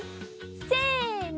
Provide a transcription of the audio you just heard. せの。